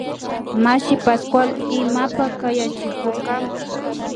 Mashi Pascual imapak kayachikurka